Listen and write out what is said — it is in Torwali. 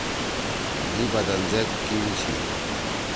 مھی بدن زید کیِل چھی۔